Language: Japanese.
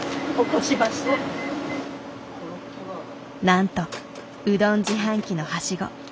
なんとうどん自販機のはしご。